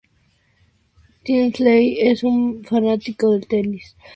Tinsley es un fanático del tenis.